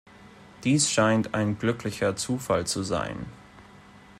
Dies scheint ein glücklicher Zufall zu sein.